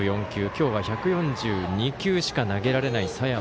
今日は１４２球しか投げられない佐山。